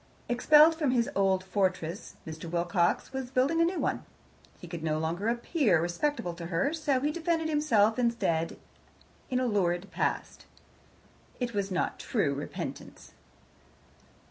Expelled from his old fortress, Mr. Wilcox was building a new one. He could no longer appear respectable to her, so he defended himself instead in a lurid past. It was not true repentance.